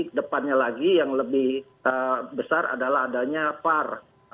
kedepannya lagi yang lebih besar adalah adanya par atau video assessment referee